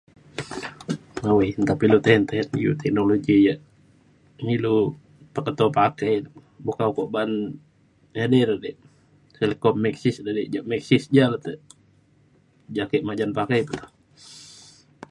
awai nta pa ilu tisen tisen iu teknologi yak ilu peketo pate buk ka ukok ban edei re di telco Maxis de je Maxis ja le te ja ake majan pakai pa